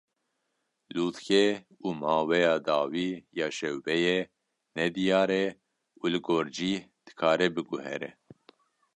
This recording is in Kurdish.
Lûtke û maweya dawî ya şewbeyê nediyar e û li gor cih dikare biguhere.